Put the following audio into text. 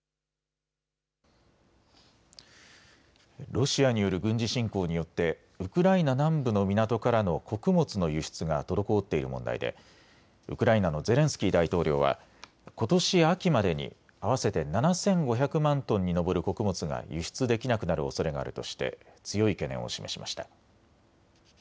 ロシアによる軍事侵攻によってウクライナ南部の港からの穀物の輸出が滞っている問題でウクライナのゼレンスキー大統領は、ことし秋までに合わせて７５００万トンに上る穀物が輸出できなくなるおそれがあるとして強い懸念を示しました。